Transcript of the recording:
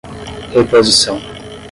reposição